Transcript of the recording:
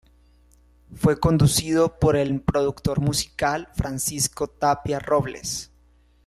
Fue conducido por el productor musical Francisco Tapia Robles.